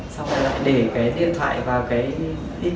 xong rồi lại để cái điện thoại vào cái